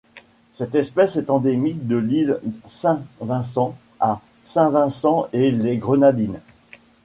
Cette espèce est endémique de l'île Saint-Vincent à Saint-Vincent-et-les-Grenadines.